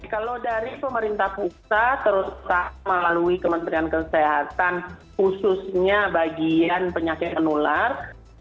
kalau dari pemerintah pusat terus melalui kementerian kesehatan khususnya bagian penyakit menular